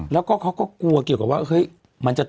แล้วก็เขาก็กลัวว่าเฮ้วมันจะถ